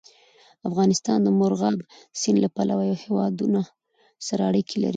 افغانستان د مورغاب سیند له پلوه له هېوادونو سره اړیکې لري.